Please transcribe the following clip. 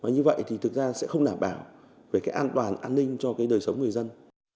như vậy thì thực ra sẽ không đảm bảo về cái an toàn an ninh cho cái đời sống người dân